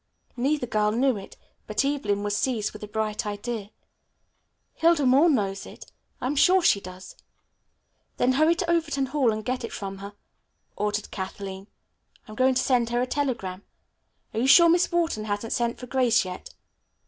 Neither girl knew it, but Evelyn was seized with a bright idea. "Hilda Moore knows it. I am sure she does." "Then hurry to Overton Hall and get it from her," ordered Kathleen. "I'm going to send a telegram. Are you sure Miss Wharton hasn't sent for Grace yet?"